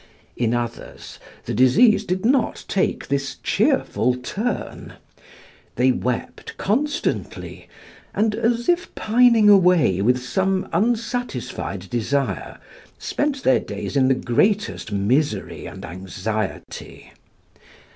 In others, the disease did not take this cheerful turn. They wept constantly, and as if pining away with some unsatisfied desire, spent their days in the greatest misery and anxiety.